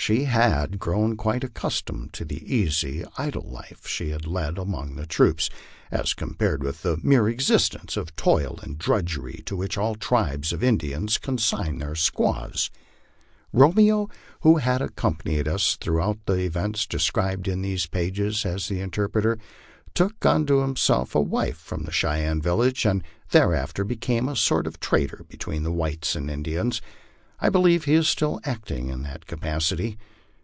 She had grown quite accustomed to the easy, idle life she had led among the troops, as compared with that mere existence of toil and drudgery to which all tribes of Indians consign their squaws. MY LIFE ON THE PLAINS. 255 Romeo, who had accompanied us throughout the events described in these pages as interpreter, took unto himself a wife from the Cheyenne village, and thereafter became a sort of trader between the whites and Indians. I believe he is still acting in that capacity.